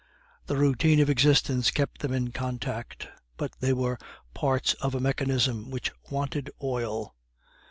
The routine of existence kept them in contact, but they were parts of a mechanism which wanted oil.